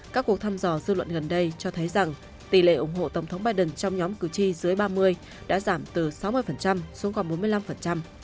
các cuộc thăm dò dư luận gần đây cho thấy rằng tỷ lệ ủng hộ tổng thống biden trong nhóm cử tri dưới ba mươi đã giảm từ sáu mươi xuống còn bốn mươi năm